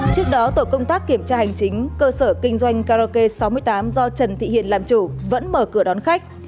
trước đó tổ công tác kiểm tra hành chính cơ sở kinh doanh karaoke sáu mươi tám do trần thị hiền làm chủ vẫn mở cửa đón khách